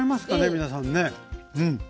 皆さんね。